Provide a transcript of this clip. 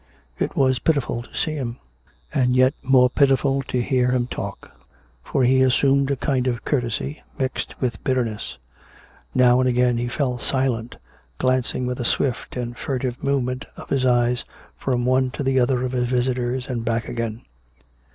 It was pitiful to see him; and yet more pitiful to hear him talk; for he assumed a kind of courtesy, mixed with bitterness. Now and again he fell silent, glancing with a swift and furtive movement of his eyes from one to the other of his visitors and back again.